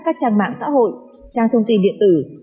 các trang mạng xã hội trang thông tin điện tử